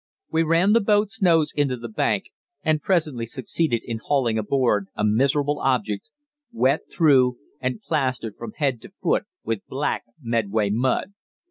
We ran the boat's nose into the bank, and presently succeeded in hauling aboard a miserable object, wet through, and plastered from head to foot with black Medway mud.